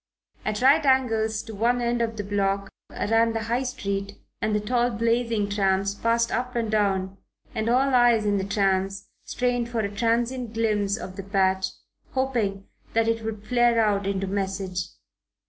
At right angles to one end of the block ran the High Street and the tall, blazing trams passed up and down and all eyes in the trams strained for a transient glimpse of the patch, hoping that it would flare out into message.